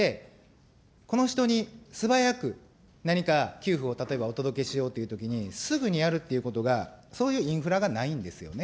この人に素早く、何か給付を例えばお届けしようというときに、すぐにやるっていうことが、そういうインフラがないんですよね。